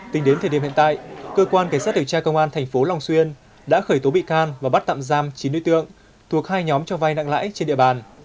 hôm nay đêm hiện tại cơ quan cảnh sát điều tra công an thành phố long xuyên đã khởi tố bị can và bắt tạm giam chín nữ tượng thuộc hai nhóm cho vay nặng lãi trên địa bàn